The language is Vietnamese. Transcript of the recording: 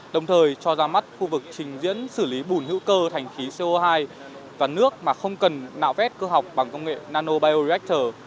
đồng thời cho ra mắt khu vực trình diễn xử lý bùn hữu cơ thành khí co hai và nước mà không cần nạo vét cơ học bằng công nghệ nanobioreactor